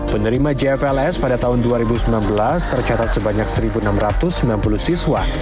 penerima jfls pada tahun dua ribu sembilan belas tercatat sebanyak satu enam ratus sembilan puluh siswa